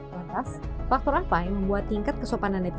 lantas faktor apa yang membuat tingkat kesopanan netiz